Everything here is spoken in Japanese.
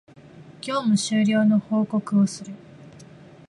業務終了の報告をする